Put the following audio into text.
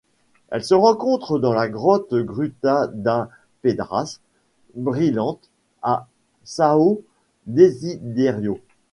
Elle se rencontre dans la grotte Gruta das Pedras Brilhantes à São Desidério.